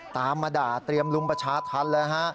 ตามมาด่าเตรียมลุมประชาธรรมเลยฮะ